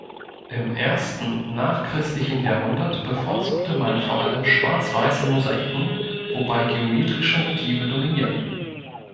Im ersten nachchristlichen Jahrhundert bevorzugte man vor allem schwarz-weiße Mosaiken, wobei geometrische Motive dominierten.